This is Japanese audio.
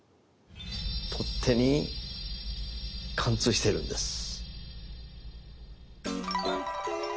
取っ手に貫通しているんです！